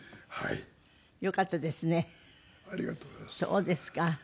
そうですか。